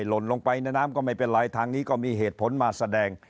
หล่นลงไปในน้ำก็ไม่เป็นไรทางนี้ก็มีเหตุผลมาแสดง